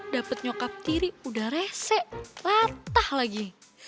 dapet nyokap tiri udah rese latah lagi